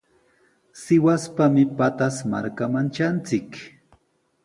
Sihuaspami Pataz markaman tranchik.